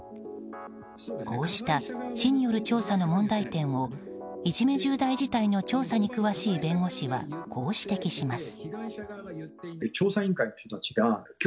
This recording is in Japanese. こうした市による調査の問題点をいじめ重大事態の調査に詳しい弁護士はこう指摘します。